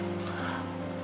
jangan selalu menyalahkan elsa